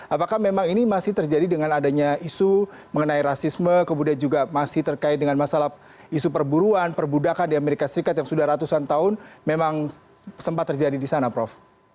apakah memang ini masih terjadi dengan adanya isu mengenai rasisme kemudian juga masih terkait dengan masalah isu perburuan perbudakan di amerika serikat yang sudah ratusan tahun memang sempat terjadi di sana prof